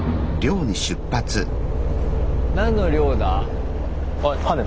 何の漁だ？